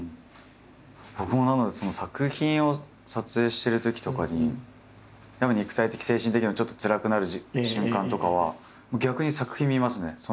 僕もなので作品を撮影してるときとかにやっぱ肉体的精神的にもちょっとつらくなる瞬間とかはもう逆に作品見ますね。